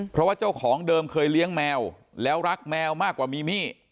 เพราะว่าเจ้าของเดิมเคยเลี้ยงแมวแล้วรักแมวมากกว่ามีมี่